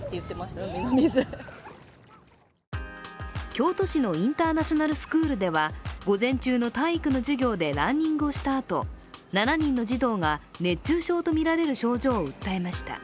京都市のインターナショナルスクールでは午前中の体育の授業でランニングをしたあと、７人の児童が熱中症とみられる症状を訴えました。